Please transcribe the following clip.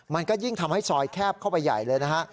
มันก็ยิ่งทำให้ซอยแคบเข้าไปใหญ่เลยนะฮะ